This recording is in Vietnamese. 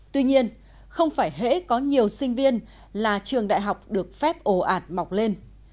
tuy nhiên không phải hễ có nhiều sinh viên là trường đại học được phép ổ ạt mọc lên